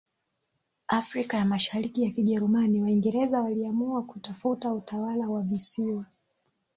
Afrika ya Mashariki ya Kijerumani waingereza waliamua kutafuta utawala wa visiwa